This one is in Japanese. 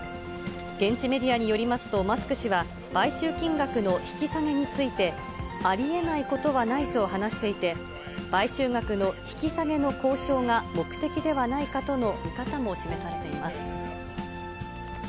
現地メディアによりますと、マスク氏は、買収金額の引き下げについて、ありえないことはないと話していて、買収額の引き下げの交渉が目的ではないかとの見方も示されています。